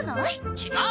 違う！